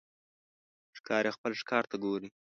ښکاري خپل ښکار ته ګوري.